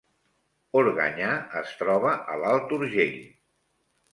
Organyà es troba a l’Alt Urgell